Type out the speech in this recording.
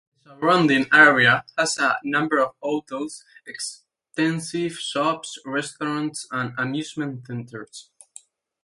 The surrounding area has a number of hotels, extensive shops, restaurants and amusement centers.